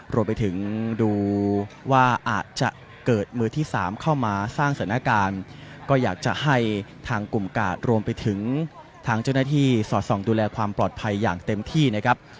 รวมไปถึงดูว่าอาจจะเกิดมือที่๓เข้ามาสร้างสถานการณ์ก็อยากจะให้ทางกลุ่มกาดรวมไปถึงทางเจ้าหน้าที่สอดส่องดูแลความปลอดภัยอย่างเต็มที่นะครับ